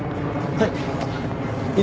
はい。